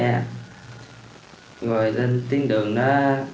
rồi tiến đường đó